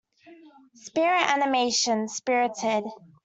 Spirit animation Spirited.